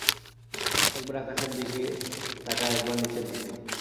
একবার আকাশের দিকে তাকায় একবার নিচের দিকে।